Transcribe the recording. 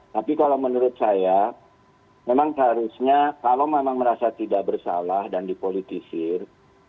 tapi kalau menurut saya memang seharusnya kalau memang merasa tidak bersalah dan dipolitisir